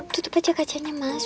tutup aja kacanya mas